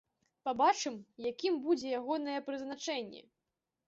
Пабачым, якім будзе ягонае прызначэнне.